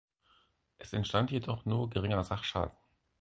Es entstand jedoch nur geringer Sachschaden.